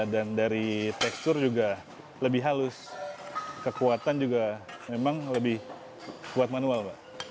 dan dari tekstur juga lebih halus kekuatan juga memang lebih kuat manual